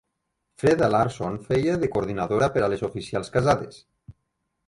Freda Larsson feia de coordinadora per a les oficials casades.